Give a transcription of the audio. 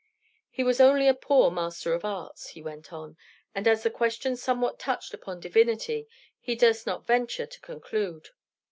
He was only a poor Master of Arts, he went on; and as the question somewhat touched upon divinity, he durst not venture to conclude.